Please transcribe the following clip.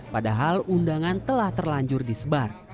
padahal undangan telah terlanjur disebar